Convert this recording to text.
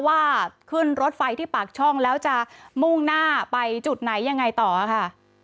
ว่าขึ้นรถไฟที่ปากช่องแล้วจะมุ่งหน้าไปจุดไหนยังไงต่อค่ะ